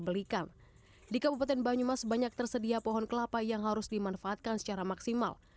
belikan di kabupaten banyumas banyak tersedia pohon kelapa yang harus dimanfaatkan secara maksimal